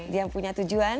dia punya tujuan